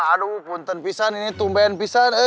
aduh punten pisan ini tumben pisang